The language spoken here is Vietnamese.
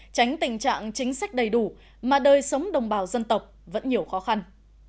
tránh tình trạng chính sách đầy đủ mà đời sống đồng bào dân tộc vẫn nhiều khó khăn